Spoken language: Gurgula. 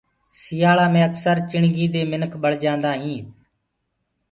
سيآݪآ مي اڪسر چِڻگي دي منک بݪجآندآ هين۔